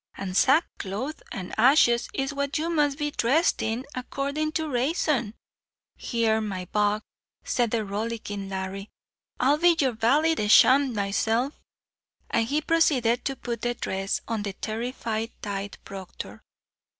and sackcloth and ashes is what you must be dhressed in, accordin' to rayson. Here, my buck," said the rollicking Larry, "I'll be your vally de sham myself," and he proceeded to put the dress on the terrified tithe proctor.